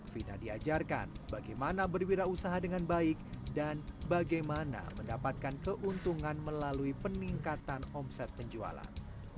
fina diajarkan bagaimana berwirausaha dengan baik dan bagaimana mendapatkan keuntungan melalui peningkatan omset penjualan